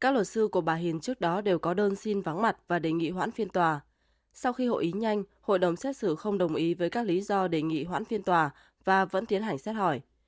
các luật sư của bà hiền trước đó đều có đơn xin vắng mặt và đề nghị hoãn phiên tòa sau khi hội ý nhanh hội đồng xét xử không đồng ý với các lý do đề nghị hoãn phiên tòa và vẫn tiến hành xét hỏi